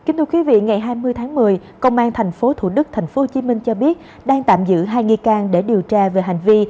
ngày hai mươi tháng một mươi công an tp thủ đức tp hcm cho biết đang tạm giữ hai nghi can để điều tra về hành vi